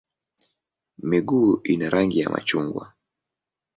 Miguu ina rangi ya machungwa.